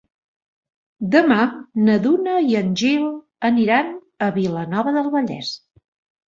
Demà na Duna i en Gil aniran a Vilanova del Vallès.